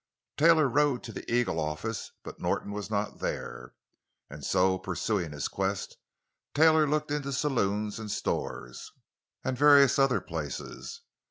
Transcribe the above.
Taylor rode to the Eagle office, but Norton was not there, and so, pursuing his quest, Taylor looked into saloons and stores, and various other places.